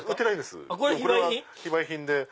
これは非売品で。